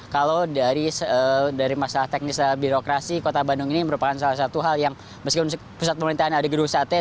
kalau dari masalah teknis birokrasi kota bandung ini merupakan salah satu hal yang meskipun pusat pemerintahan ada gedung sate